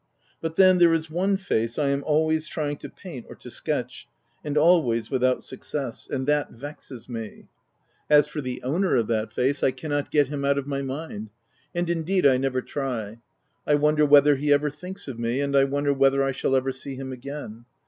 But then, there is one face I am always trying to paint or to sketch, and alwaj's without success ; and that vexes me. As for the owner of that face. I cannot get him out of my mind — and, indeed, 1 never try. I wonder whether he ever thinks of me ; and I wonder whether I shall ever see him again.